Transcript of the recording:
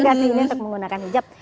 gak sih ini untuk menggunakan hijab